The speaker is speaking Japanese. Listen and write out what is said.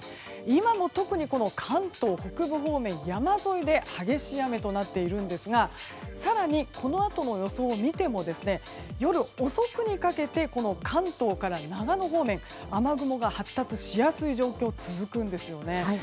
今も特に関東北部方面山沿いで激しい雨となっているんですが更に、このあとの予想を見ても夜遅くにかけて関東から長野方面で雨雲が発達しやすい状況が続くんですね。